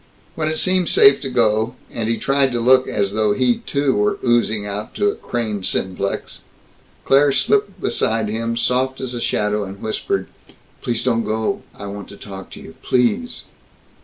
When it seemed safe to go, and he tried to look as though he too were oozing out to a Crane Simplex, Claire slipped beside him, soft as a shadow, and whispered, "Please don't go. I want to talk to you. _Please!